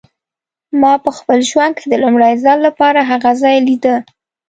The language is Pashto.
ما په خپل ژوند کې د لومړي ځل لپاره هغه ځای لیده.